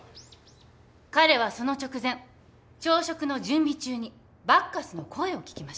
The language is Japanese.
彼はその直前朝食の準備中にバッカスの声を聞きました。